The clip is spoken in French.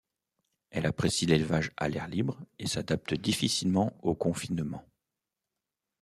Elle apprécie l'élevage à l'air libre et s'adapte difficilement au confinement.